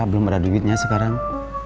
belum ada duitnya sekarang